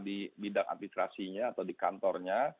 di bidang administrasinya atau di kantornya